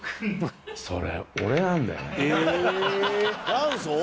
「元祖？」